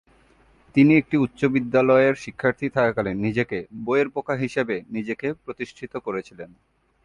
তিনি একটি উচ্চ বিদ্যালয়ের শিক্ষার্থী থাকাকালীন নিজেকে "বইয়ের পোকা" হিসাবে নিজেকে প্রতিষ্ঠিত করেছিলেন।